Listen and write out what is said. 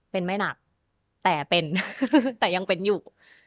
เป็นไม่หนักแต่เป็นแต่ยังเป็นอยู่